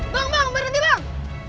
bang bang berhenti bang